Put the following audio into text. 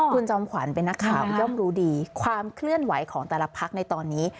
คุณจอมขวัญเป็นนักข่าวย่อมรู้ดีความเคลื่อนไหวของแต่ละพักในตอนนี้